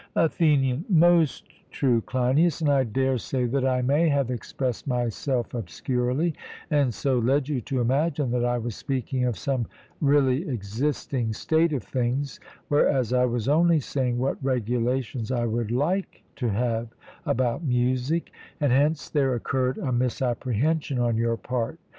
ATHENIAN: Most true, Cleinias; and I daresay that I may have expressed myself obscurely, and so led you to imagine that I was speaking of some really existing state of things, whereas I was only saying what regulations I would like to have about music; and hence there occurred a misapprehension on your part.